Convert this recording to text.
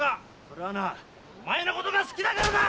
それはなお前のことが好きだからだ！